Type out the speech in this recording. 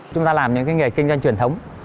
chúng ta làm những nghề kinh doanh truyền thống